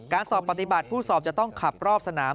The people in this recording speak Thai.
สอบปฏิบัติผู้สอบจะต้องขับรอบสนาม